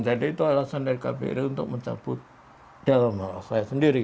jadi itu alasan dari kbri untuk mencabut dalam hal saya sendiri